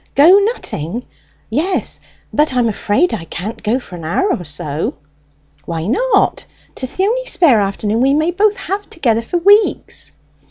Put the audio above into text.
"Go nutting! Yes. But I'm afraid I can't go for an hour or so." "Why not? 'Tis the only spare afternoon we may both have together for weeks."